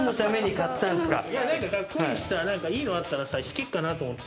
カッコイイしさいいのあったらさ弾けっかなと思って。